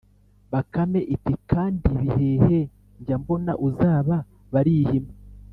bakame iti: “kandi bihehe njya mbona uzaba barihima.